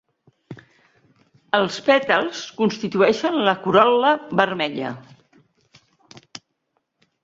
Els pètals constitueixen la corol·la vermella.